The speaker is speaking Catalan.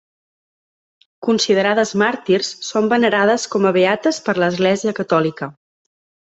Considerades màrtirs, són venerades com a beates per l'Església catòlica.